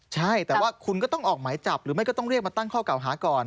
ใช่แต่ว่าคุณก็ต้องออกหมายจับหรือไม่ก็ต้องเรียกมาตั้งข้อเก่าหาก่อน